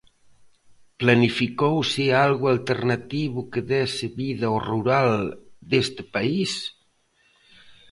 ¿Planificouse algo alternativo que dese vida ao rural deste país?